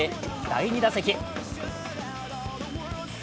第２打席。